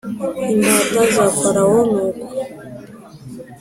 imbata za Farawo Nuko